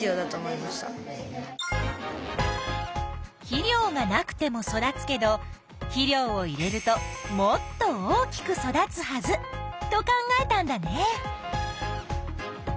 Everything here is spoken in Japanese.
肥料がなくても育つけど肥料を入れるともっと大きく育つはずと考えたんだね。